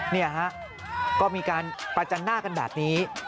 นี่ฮะก็มีการประจันหน้ากันแบบนี้